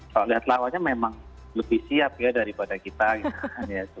kalau lihat lawannya memang lebih siap ya daripada kita gitu